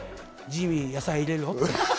ジミー、野菜入れろと。